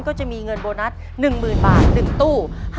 ก็จะมีเงินโบนัส๑๐๐๐บาท๑ตู้